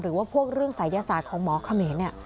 หรือว่าพวกเรื่องศัยศาสตร์ของหมอเขมร